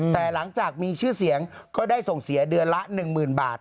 แต่หลังจากมีชื่อเสียงก็ได้ส่งเสียเดือนละ๑๐๐๐บาท